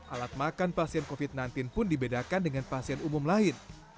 alat makan pasien covid sembilan belas pun dibedakan dengan pasien umum lain